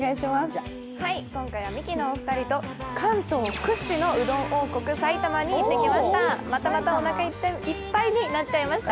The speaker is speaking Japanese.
今回はミキのお二人と関東屈指のうどん王国・埼玉に行ってきました